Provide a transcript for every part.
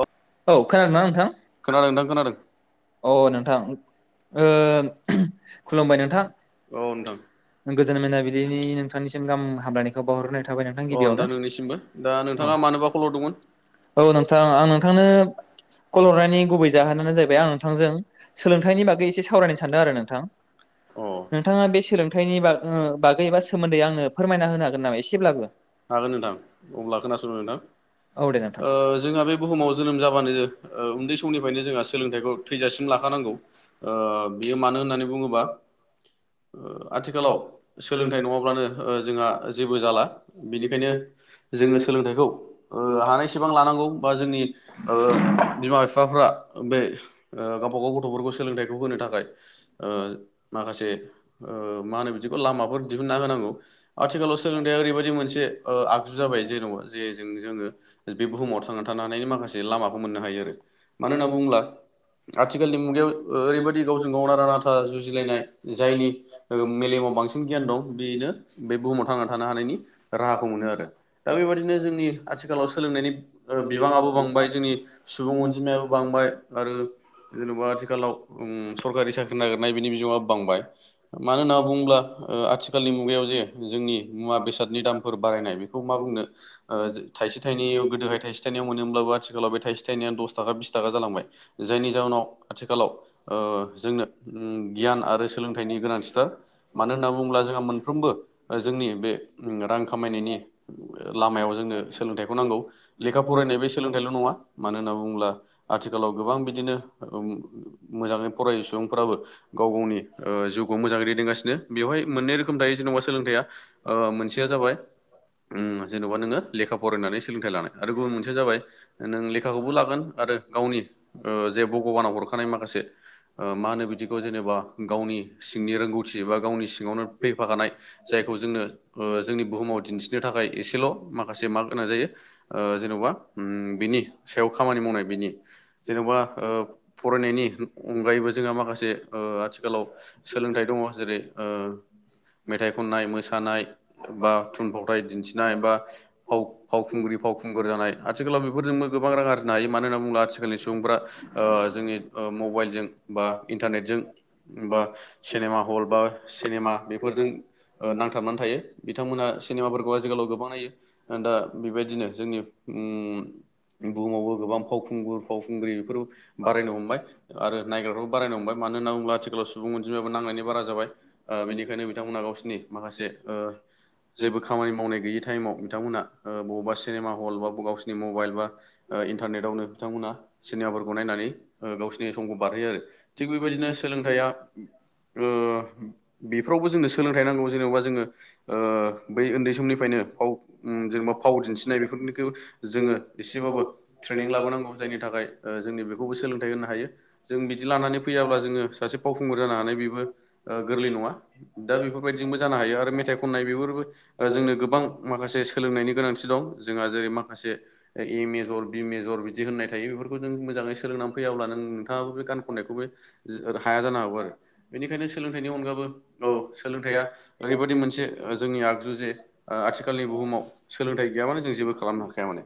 औ [unintelligible] खोनादोंना नोंथां खोनादों नोंथां खोनादों अ नोंथां ओ खुलुमबाय नोंथां औ नोंथां अ गोजोन मोनाबिलिनि नोंथांनिसिम गाहाम हामबलायनायखौ बावहरनो अ नोंथां नोंनिसिमबो दा नोंथाङा मानोबा खल हरदोंंमोन औ नोंथां आं नोंथांनो कल हरनायनि गुबै जाहोनानो जाहैबाय आं नोंथांजों सोलोंथाइनि बागै एसे सावरायनो सान्दों आरो नोंथां अ नोंथाङा बे सोलोंथाइनि बाग ओं बागै बा सोमोन्दै आंनो फोरमायना होनो हागोन नामा एसेब्लाबो हागोन नोंथां अब्ला खोनासंदो नोंथां औ दे नोंथां ओ जोंहा बे बुहुमाव जोनोम जाबानो ओ उन्दै समनिफ्रायनो जोंहा सोलोंथाइखौ थैजासिम लाखानांगौ ओ बियो मानो होननानै बुङोबा आथिखालाव सोलोंथाइ नङाब्लानो ओ जोंहा जेबो जाला बेनिखायनो जोङो सोलोंथाइखौ ओ हानायसेबां लानांगौ बा जोंनि बिमा बिफाफ्रा बे गावबा गाव गथ'फोरखौ सोलोंथाइखौ होनो थाखाय ओ माखासे ओ मा होनो बिदिखौ लामाफोर दिहुनना होनांगौ आथिखालाव सोलोंथाइ ओरैबायदि मोनसे ओ आगजु जाबाय जेन'ङा जे ज जोङो बे बुहुमाव थांनानै थानो हानायनि माखासे लामाखौ मोन नो हायो आरो मानो होनना बुङोब्ला आथिखालनि मुगायाव ओरैबायदि गावजों गाव नारा नाथा जुजिलायनाय जायनि मेलेमाव बांसिन गियान दं बेनो बे बुहुमाव थांना थानो हानायनि राहाखौ मोनो आरो दा बेबायदिनो जोंनि आथिखालाव सोलोंनायनि ओ बिबाङाबो बांबाय जोंनि सुबुं अनजिमायाबो बांबाय आरो जेनेबा आथिखालाव ओम सरकारि साख्रि नागिरनाय बिनि बिङा बांबाय मानो होनना बुङोब्ला ओ आथिखालनि मुगायाव जे जोंनि मुवा बेसाद दामफोर बारायनाय बेखौ मा बुंनो थाइसे थाइनैयाव गोदोहाय थाइसे थाइनैआव मोनोब्लाबो आथिखालाव बे थाइ दस थाखा बिस थाखा जालांबाय जायनि जाउनाव आथिखालाव जोंनो गियान आरो सोलोंथाइनि गोनांथिथार मानो होनना बुङोब्ला जोंहा मोनफ्रोमबो जोंनि बे ओम रां खामायनायनि लामायाव जोंनो सोलोंथाइखौ नांगौ लेखा फरायनाय बे सोलोंथाइल' नङा मानो होनना बुङोब्ला आथिखालाव गोबां बि मोजाङै फराय सुबुंफ्राबो गाव गावनि ओ जिउखौ मोजाङै दैदेनगासिनो बेवहाय मोननै रोखोम थायो जेनेबा सोलोंथाइया ओ मोनसेया जाबाय ओम जेन'बा नोङो लेखा फरायनानै सोलोंथाइ लानाय आरो गुबुन मोनसेया जाबाय नों लेखाखौबो लागोन आरो गावनि ओ जे भगबाना हरखानाय माखासे ओ मा होनो बिदिखौ जेनेबा गावनि सिंनि रोंगौथि बा गावनि सिङावनो फैफाखानाय जायखौ जोंनो ओ जोंनि बुहुमाव दिन्थिनो थाखाय एसेल' माखासे मार्क होनाय जायो ओ जेनबा बे नि सायाव खामानि मावनाय बिनि जेन'बा ओ फरायनायनि अनगायैबो जोंहा माखासे ओ आथिखालाव सोलोंथाइ दङ जेरै ओ मेथाइ खननाय मोसानाय बा थुनफावथाय दिन्थिनाय बा फाव फावखुंग्रि फावखुंगुर जानाय आथिखालाव बेफोरजोंबो गोबां रां आरजनो हायो मा होनना बुंब्ला आथिखालनि सुबुंग्रा ओ जोंनि ओ मबाइलजों‌बा इन्टारनेटजों बा सिनेमा हल बा सिनेमा बेफोरजों ओ नांथाबनानै थायो बिथांमोना सिनेमाफोरखौ आथिखालाव गोबां नायो दा बेबायदिनो जोंनि उम बुहुमावबो गोबां फावखुंगुर फाव खुंग्रिं फोरखौ बारायनो हमबाय आरो नायग्राफ्रफोरखौ बारायनो हमबाय मानो होनना बुङोब्ला आथिखालाव सुबुं अनजिमायाबो नांनायनि बारा जाबाय बेनिखायनो बिथांमोना गावसिनि माखासे ओ जेबो खामानि मावनाय गैयि टाइमाव बिथांमोना बबावबा सिनेमा हल बा गावसोरनि मबाइल बा ओ इन्टारनेटावनो बिथांमोना सिनेमाफोरखौ नायनानै ओ गावसिनि समखौ बारहोयो आरो थिग बेबायदिनो सोलोंथाइया ओ बेफ्रावबो जोंनो सोलोंथाइ नांगौ जेनेबा जोङो ओ बै उन्दै समनिफ्रायनो फाव जेनेबा फाव दिन्थिनाय बेफोरनिखौ जोङो एसेबाबो ट्रेनिं लाबोनांगौ जायनि थाखाय ओ जोंनि बेखौबो सोलोंथाइ होनो हायो जों बिदि लानानै फैयाब्ला जोङो सासे फावखुंगुर जानो हानाय बेबो गोरलै नङा दा बेफोरबायदिजोंबो जानो हायो आरो मेथाइ ख ननाय बेफोरबो जोंनो गोबां माखासे सोलोंनायनि गोनांथि दं जोंहा जेरै माखासे मेजर बि मेजर बिदि होननाय थायो बेफोरखौ नों मोजाङै सोलोंनानै फैयाब्ला नो-नोंथाङाबो बे गान खननायखौबो हाया जानो हागौ आरो बेनिखायनो सोलोंथाइनि अनगाबो औ सोलोंथाइया ओरैबायदि मोनसे जोंनि आगजु जे आथिखालनि बुहुमाव सोलोंथाइ गैयाबानो जों जेबो खालामनो हाखाया माने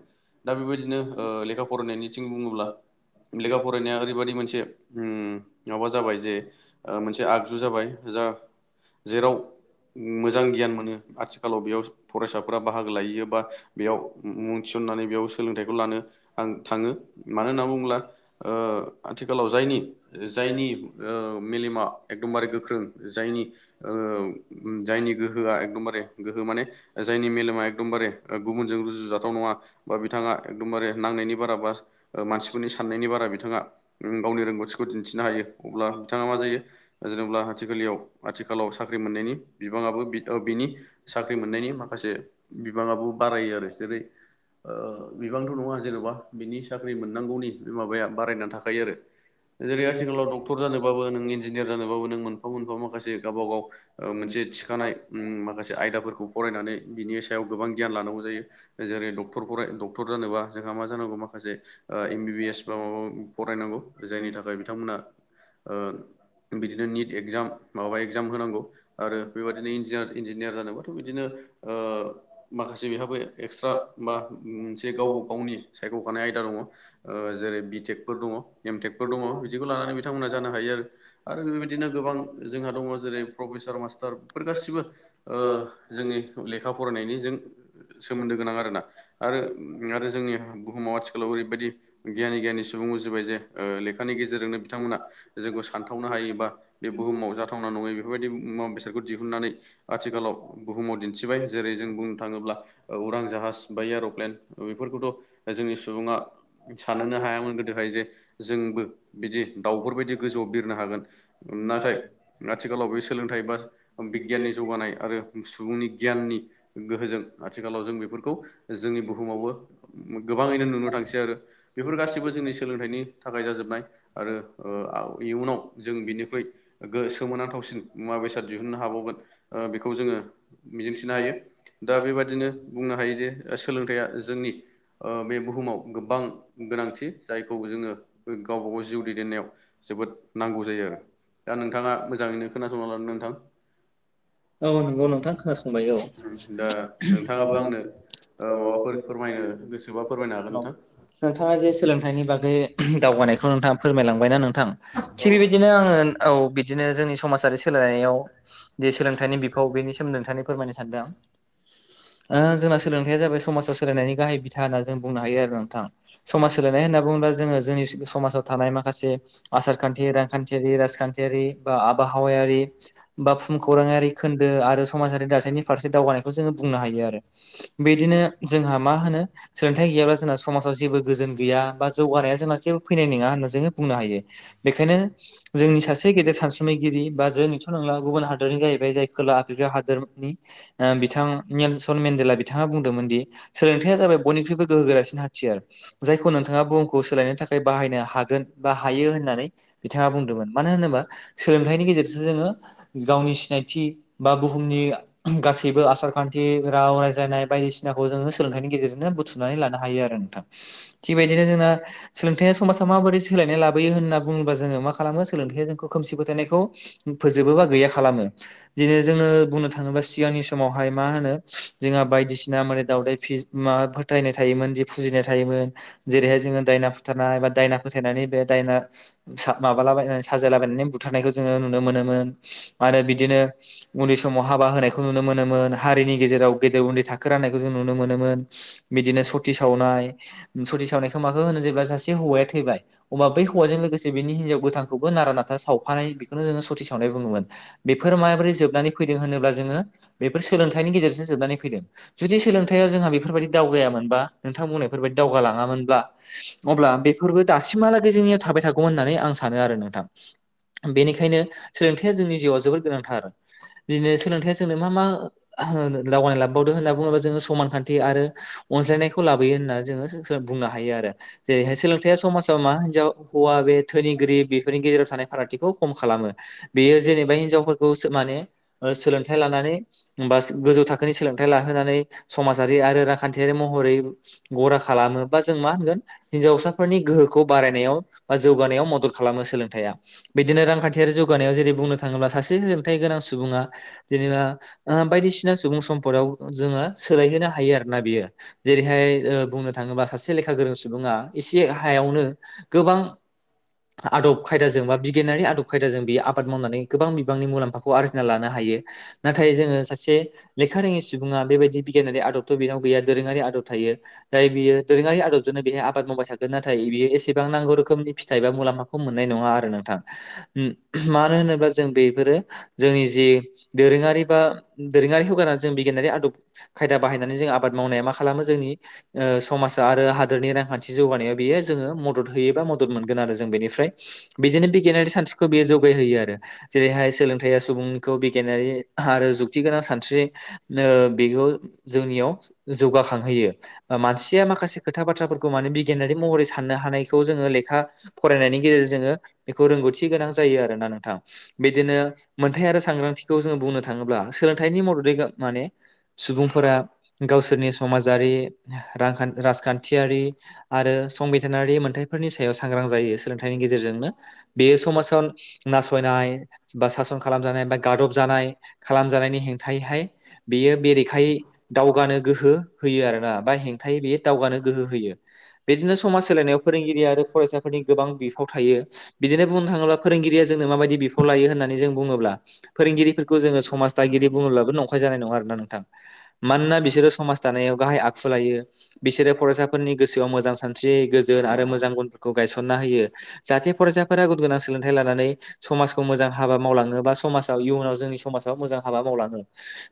दा बेबायदिनो ओ लेखा फरायनायनिथिं बुङोब्ला [inaudible] लेखा फरायनाया ओरैबादि मोनसे उम माबा जाबाय जे मोनसे आगजु जाबाय जा जेराव मोजां गियान मोनो आथिखालाव बेयाव फरायसाफोरा बाहागो लायोयो बा बेयाव मुं थिसन्नानै बेयाव सोलों थाइखौ लानो आं थाङो मानो होनना बुङोब्ला ओ आथिखालाव जायनि जायनि ओ मेलेमा एकदमबारे गोख्रों जायनि ओ जायनि गोहोआ एकदमबारे गोहो माने जायनि मेलेमा एकदमबारे गुबुनजों रुजुजाथाव नङा बा बिथां थाङा एकदमबारे नांनायनि बाराबा मानसिफोरनि साननायनि बारा बिथाङा गावनि रोंगौथिखौ दिन्थिनो हायो अब्ला बिथाङा मा जायो जेनेब्ला आथिखलियाव आथिखालाव साख्रि मोननायनि बिबाङाबो बि अ बिनि साख्रि मोननायनि माखासे बिबाङाबो बारायो आरो जेरै ओ बिबांथ' नङा जेन'बा बिनि साख्रि मोननांगौनि बे माबाया बारायनानै थाखायो आरो। जेरै आथिखालाव डक्टर जानोबाबो नों इन्जिनियार जानोबाबो नों मोनफा मोनफा माखासे गावा गाव मोनसे बे थिखानाय उम माखासे आयदाफोरखौ फरायनानै बिनि सायाव गोबां गियान लानांगौ जायो जेरै डक्टर फराय डक्टर जानोबा जोंहा मा जानांगौ माखासे एम बि बि एस बा माबा फरायनांगौ जायनि थाखाय बिथांमोना ओ बिदिनो निट एक्जाम माबाबा एगजाम होनांगौ आरो बेबायदिनो जिनियार-इनजिनियार जानोबाथ' बिदिनो ओ माखासे बिहाबो एस्रा मा जे गाव गाव गावनि सायख'खानाय आयदा दङ ओ जेरै बि टेकफोर दङ एमटेकफोर दङ बिदिखौ लानानै बिथांमोनाहा जानो हायो आरो आरो बेबायदिनो गो बां जोंहा दङ जेरै प्रफेसार मास्टार बेफोर गासि बो ओ जोंनि लेखा फरायनायनि ज सोमोन्दो गोनां आरोना आरो आरो जोंनि बुहुमाव आथिखालाव ओरैबायदि गियानि गियानि सुबुं उजिबाय जे लेखानि गेजेरजोंनो बिथांमोना जोंखौ सानथावनो हायो बा बे बुहुमाव जाथावना नङै बेफोरबायदि मुवा बेसादखौ दिहुननानै आथिखालाव बुहुमाव दिन्थिबाय जेरै जों बुंनो थाङोब्ला उरां जाहाज बा एर'प्लेन बेफोर खौथ' जोंनि सुबुङा साननोनो हायामोन गोदोहाय जे जोंबो बिदि दाउफोर बायदि गोजौआव बिरनो हागोन। नाथाय आथिखालाव बे सोलोंथाइ बा बि गियाननि जौगानाय आरो सुबुंनि गियाननि गोहोजों आथिखालाव जों बेफोरखौ जोंनि बुहु मावबो गोबांङैनो नुनो थांसै आरो। बेफोर गाैबो जोंनि सोलोंथाइनि थाखाय जाजोबनाय आरो ओ इयुनाव जों बिनिख्रुइ [unintelligible] सोमोनांथावसिन मुवा बेसाद दिहुननो हाबावगोन। ओ बेखौ जोङो मिजिंथिनो हायो दा बेबादिनो बुंनो हायो जे ओ सोलोंथाइया जोंनि बे ओबुहुमाव गोबां गोनांथि जायखौ जोङो गावबा-गाव जिउ दैदेननायाव जोबोद नांगौ जायो आरो। दा नोंथांङा मोजांङैनो खोनासंना लादो नोंथां। औ [unintelligible] नंगौ नोंथां खोनासंबाय औ उम दा नोंथाङाबो आंनो ओ औ माबाफोर फोरमायनो गोसोबा फोरमायनो हागोन नोंथां। नोंथाङा जे सोलोंथाइनि बागै दावगानायखौ नोंथाङा फोरमायलांबायना नोंथां थिग बेबायदिनो आङो औ बिदिनो जोंनि समाजारि सोलायनायाव थाइनि बिफाव बेनि सोमोन्दै नोंथांनो फोरमायनो सानदों आं। ओ जोंना सोलोंथाइया जाबाय समाजाव सोलायनायनि गाहाय बिथा होन्ना जों बुंनो हायो आरो नोंथां। समाज सोलायनाय होनना बुङोब्ला जोङो जोंनि समाजाव थानाय माखासे आसारखान्थि रांखान्थियारि राजखान्थि यारि बा आबहावायारि बा भुम खौराङारि खोन्दो आरो समाजारि दाथायनि फारसे दावगानाय खौ जोङो बुंनो हायो। आरो बिदिनो जोंहा मा होनो सोलोंथाइ गैयाब्ला जोंना समाज जेबो गोजोन गैया बा जौगानाया जोंना जेबो फैनाय नोङा होननानै जोङो बुंनो हायो बेखायनो जोंनि सासे गेदेर सानसुमैगिरि बा जोंनीथ' नंला गुबुन हादरनि जाहैबाय जाय खोला आफ्रिका हादोरमानि आ बिथां नेलचन मेन्देला बिथांङा बुंदोंमोन दि सोलोंथायया जाबाय बयनिख्रुइबो गोहोगोरासिन हा थियार जायखौ नोंथाङा बुहुमखौ सोलायनो थाखाय बाहायनो हागोन बा हायो होननानै बिथाङा बुंदों। [unintelligible] मानो होनोबा सोलोंथाइनि गेजेरजों जोङो गावनि सिनायथि बा बुहुमनि गासैबो आसार-खान्थि राव रायज्लायनाय बायदिसिनाखौ जोङो सोलोंथाइनि गेजेरजोंनो बुथुमनानै लानो हायो आरो। [inaudible] थिग बेबायदिनो जोंना सोलोंथाइया समाजाव माबोरै सोलायनाय लाबोयो होनना बुङोब्ला जोङो मा खालामो सोलोंथाइया जोंखौ खोमसि फोथायनायखौ फोजोबो बा गैया खालामो दिनै जोङो बुंनो थाङोबा सिगांनि समावहाय मा होनो जोंहा बायदिसिना मोडाय-दावदाय फिस मा फोथायनाय थायोमोन दि फुजिनाय थायोमोन जेरैहाय जोङो दायना फुथारनाय बा दायना फोथायनानै बे दायना [unintelligible] [unintelligible] साजायलाबायनानै बुथारनायखौ जों नुनो मोनोमोन आरो बिदिनो उन्दै समाव हाबा होनाय खौ नुनो मोनोमोन। हारिनि गेजेराव गेदेर उन्दै थाखो राननायखौ जों नुनो मोनोमोन बेदिनो स सावनाय सति सावनायखौ माखौ होनो जेब्ला सासे हौवाया थैबाय अबा बै हौवाजों लोगोसे बेनि हीनजाव गोथांखौबो नारा-नाथा सावफानाय बेखौनो जोङो सति सावनाय बुङोमोन। बेफोर माबोरै जोबनानै फैदों होनोब्ला जोङो बेफोर सोलोंथाइनि गेजेरजों जोबनानै फैदों जुदि सोलोंथाइयाव जोंहा बेफोरबायदि दावगायामोनबा आं बुंनायफोर बादि दावगालाङामोनब्ला अब्ला बेफोरबो दासिमहालागै जोंनियाव थाबाय थागौमोन होननानै आं सानो। आरो नोंथां बेनिखायनो सोलोंथाइया जोंनि जिउआव जोबोद गोनांथार। बिदिनो सोलोंथाइया जोंनो मा-मा [unintelligible] [unintelligible] होनना बुङीबा जोङो समानखान्थि आरो अनज्लायनायखौ लाबोयो होनना जों बुंनो हायो आरो जेरैहाय सोलोंथाइया समाजाव मा हिनजाव हौवा बे धोनि गोरिब बेफोरनि गेजेराव थानाय फारागथिखौ खम खालामो बेयो जेनेबा हिनजावफोरखौ माने सोलों थाइ लानानै बा गोजौ थाखोनि सोलोंथाइ लाहोनानै समाजारि आरो रांखान्थियारि महरै गरा खालामो बा जों मा होनगोन हिन्जावसाफोरनि गोहोखौ बारायनायाव बा जौगानायाव मदद खालामो सोलोंथाइआ। बिदिनो रांखान्थियारि जौगानायाव जेरै बुंनो थाङोब्ला सासे सोलोंथाइ गोनां सुबुङा बिदीनो आ-आ बायदिसिना सुबुं सम्पदाव जोङो सोलायहोनो हायो आरो ना बियो जेरै हाय ओ बुंनो थाङोबा सासे लेखा गोरों सुबुङा एसे हायावनो गोबां आदब खायदाजों बा बिगियानारि आदब खायदाजों बेयो आबाद मावनानै गोबां बिबांनि मुलाम्फाखौ आरजिना लानो हायो। नाथाइ जोङो सासे लेखा लेखा रोङि सुबुङा बेबायदि बिगियानारि आदब' बेनाव गैया दोरोङारि आदब यो बियो दोरोङारि आदबजों बिय आबाद मावबाय थागोन नाथाय बियो एसेबां नांगौ रोखोमनि फिथाइ बा मुलामफा खौ मोननाय नङा आरो नोंथां मानो होनोबा जों बेफोरो जोंनि जि दोरोङारि बा दोरोङारि होगारा जों बिगियानारि आदब खायदा बाहायनानै जों आबाद मावनाया मा खालामो जोंनि ओ समाज आरो हादोरनि रांखान्थि जौगानायाव बेयो जोङो मदद होयोबा मदद मोनगोन आरो जों बेनिफ्राय बिदिनो बिगियानारि सान्स्रिखौ बेयो जौगाय होयो आरो जेरैहाय सोलोंथाइया सुबुंखौ बिगियान आरि आरो जुक्ति गोनां सानस्रि बेखौ जोंनियाव जौगाखां होयो मानसिया माखासे खोथा बाथ्राफोरखौ माने बिगियानारि महरै साननो हानायखौ जोङो लेखा फरायनायनि गेजेरजों जोंङो बेखौ रोंगौथि गोनां जायो आरोना नोंथां बिदिनो मोन्थाय आरो सांग्रांथि खौ जों बुंनो थाङोब्ला सोलोंथाइनि मददै माने सुबुंफोरा गावसोरनि समाजारि रांखान राजखान्थियारि आरो संबिधानारि मोनथाइफोरनि सायाव सांग्रां जायो सोलोंथाइनि गेजेरजोंनो बेयो समाजाव नासयनाय बा सासन खालामजानाय बा गादब जानाय खालामजानायनि हेंथायैहाय बियो बेरेखायै दावगानो गोहो होयो आरोना बा हेंथायै बेयो दावगानो गोहो होयो बेजोंनो समाज सोलायनायाव फोरोंगिरि आरो फरायसाफोरनि गोबां बिफाव थायो बिदिनो बुंनो थाङोब्ला फोरोंगिरिया जोंनो माबायदि बिफाव लायो होननानै जों बुङोब्ला फोरोंगिरिफोरखौ जोङो समाज दागिरि बुङोब्लाबो नंखाय जानाय नङा आरोना नोंथां मानोना बिसोरो समाज गाहाय आखु लायो बिसोरो फरायसाफोरनि गोसोआव मोजां सानस्रि गोजोन आरो मोजां गुनफोरखौ गाय गायसना होयो जाहाथे फरायसाफोरा गुन गोनां सोलोंथाइ लानानै समाजखौ मोजां हाबा मावलाङोबा बा समाज इयुनाव जोंनि समाजाव मोजां हाबा मावलाङो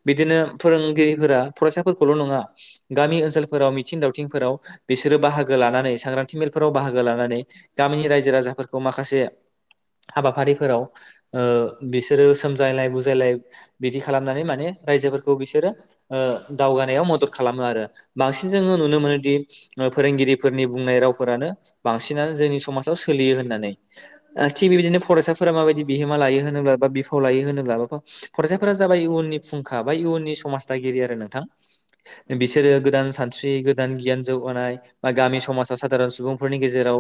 बिदिनो फोरोंगिरिफोरा फरायसाफोरखौल' नङा गामि ओनसोलफोराव मिथिं दावथिंफोराव बिसोरो बाहागो लानानै सांग्रांथि मेलफोराव बाहागो लानानै गामिनि रायजो-राजाफोरखौ माखासे हाबाफारिफोराव ओ बिसोरो सोमजायलाय बुजायलाय बिदि खालामनानै माने रायजोफोरखौ बिसोरो ओ दावगानायाव मदद खालामो आरो बांसिन जोङो नुनो मोनोदि ओ फोरोंगिरिफोरनि बुंनाय रावफोरानो बांसिनानो जोंनि समाजाव सोलियो होननानै ओ थिग बेबायदिनो फरायसाफोरा माबायदि बिहोमा लायो होनोब्ला बा बिफाव लायो होन होनोब्ला फरायसाफोरा जाबाय इयननि फुंखा बा इयुननि समाजदागिरि आरो नोंथां बिसोरो गोदान सानस्रि गोदान गियान जौगानाय बा गामि समाजाव सादारन सुबुंफोरनि गेजेराव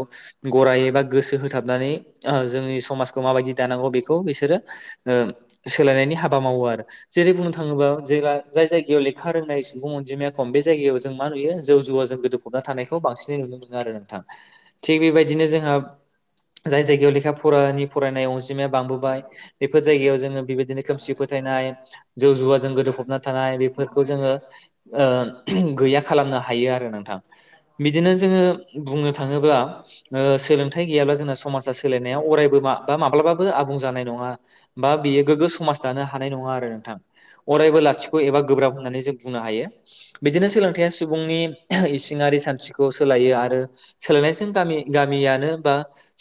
गराइ एबा गोसो होथाबनानै जोंनि समाजखौ माबायदि दानांगौ बेखौ बिसोरो ओ सोलायनायनि हाबा मावो आरो जेरै बुंनो थाङोबा जे जाय जायगायाव लेखा रोंनाय सुबुं अनजिमाया खम बे जायगायाव जों मा नुयो जौ जुवा जों गोदोफबना थानायखौ बांसिनै नुनो मोनो आरो नोंथां थिग बेबायदिनो जोंहा जाय जायगायाव लेखा फरानि फरायनाय अनजिमाया बांबोबाय बेफोर जायगायाव जोङो बेबायदिनो खोमसि फोथाय नाय जौ-जुवाजों गोदोफबना थानाय बेफोरखौ जोङो ओ गैया खालामनो हायो आरो नोंथां बिदिनो जोङो बुंनो थाङोब्ला सोलोंथाइ ओ गैयाब्ला जोंना समाजा सोलायनाया अरायबो बा बा माब्लाबाबो आबुं जानाय नङा बा बेयो गोग्गो समाज दानो हानाय नङा आरो नोंथां अरायबो लाथिख' एबा गोब्राब होननानै जों बुंनो हायो बिदिनो सोलोंथाइया सुबुंनि इसिङारि सानस्रिखौ सोलायो आरो सोलायनायजों गामि गामियानो बा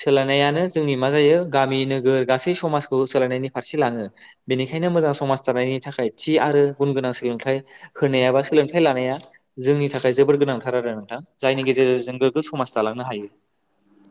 सोलायनायानो जोंनि मा जायो गामि नोगोर गासै समाजखौ सोलायनायनि फारसे लाङो बेनिखायनो मोजां समाज दानायनि थाखाय थि आरो गुन गोनां सोलोंथाइ होनायाबा सोलोंथाइ लानाया जोंनि थाखाय जोबोर गोनांथार आरो नोंथां जायनि गेजेरजों गोग्गो समाज दालांनो हायो [inaudible]